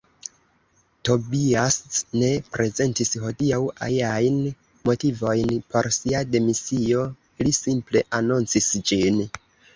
Tobiasz ne prezentis hodiaŭ iajn motivojn por sia demisio, li simple anoncis ĝin.